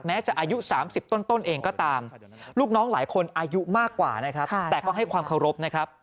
แม้จะอายุ๓๐ต้นเองก็ตามลูกน้องหลายคนอายุมากกว่าแต่ก็ให้ความเคารพ